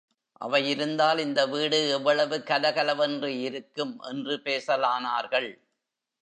அவை இருந்தால் இந்த வீடு எவ்வளவு கலகலவென்று இருக்கும்! என்று பேசலானார்கள்.